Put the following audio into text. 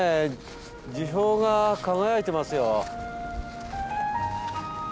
樹氷が輝いてますよ。